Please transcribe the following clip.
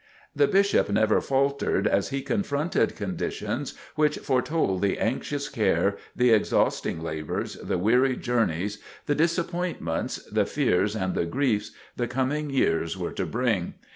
The Bishop never faltered as he confronted conditions which foretold the anxious care, the exhausting labors, the weary journeys, the disappointments, the fears and the griefs the coming years were to bring.